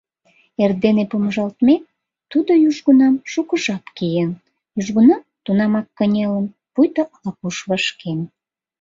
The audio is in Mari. Эрдене помыжалтмек, тудо южгунам шуко жап киен, южгунам тунамак кынелын, пуйто ала-куш вашкен.